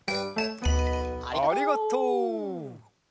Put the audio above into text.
ありがとう。